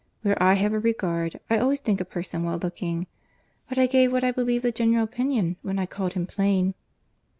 Where I have a regard, I always think a person well looking. But I gave what I believed the general opinion, when I called him plain."